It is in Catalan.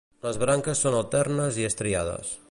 Les branques són alternes i estriades.